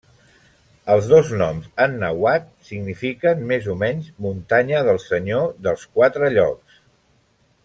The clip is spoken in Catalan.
Els dos noms en nàhuatl signifiquen més o menys 'Muntanya del Senyor dels Quatre Llocs'.